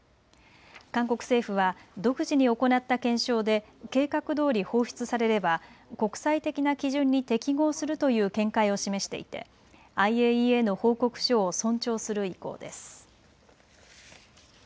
韓国政府は独自に行った検証で計画どおり放出されれば国際的な基準に適合するという見解を示していてＩＡＥＡの報告書を尊重する意向です。